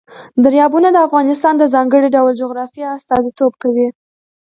دریابونه د افغانستان د ځانګړي ډول جغرافیه استازیتوب کوي.